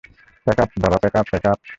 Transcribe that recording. Pack up, বাবা pack up, - pack up.